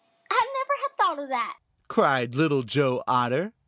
I never had thought of that," cried Little Joe Otter.